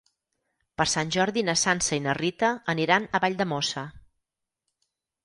Per Sant Jordi na Sança i na Rita aniran a Valldemossa.